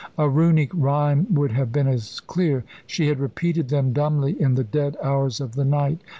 A Runic rhyme would have been as clear. She had repeated them dumbly in the dead hours of the night.